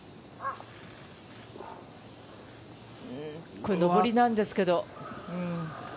これ、上りなんですけど。